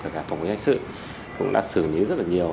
cả phóng viên hành sự cũng đã xử lý rất nhiều